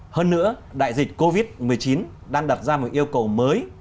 hơn nữa đại dịch covid một mươi chín đang đặt ra một yêu cầu mới